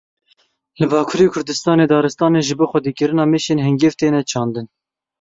Li Bakurê Kurdistanê daristanên ji bo xwedîkirina mêşên hingiv têne çandin